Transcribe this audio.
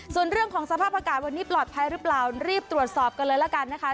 ส่วนเรื่องของสภาพอากาศวันนี้ปลอดภัยหรือเปล่ารีบตรวจสอบกันเลยละกันนะคะ